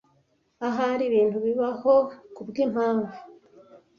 Ahari ibintu bibaho kubwimpamvu.